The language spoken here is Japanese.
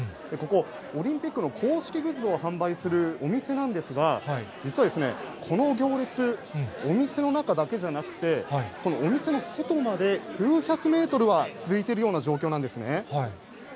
ここ、オリンピックの公式グッズを販売するお店なんですが、実は、この行列、お店の中だけじゃなくて、このお店の外まで数百メートルは続いているような状況なんですね。